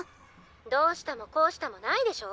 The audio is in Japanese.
どうしたもこうしたもないでしょ。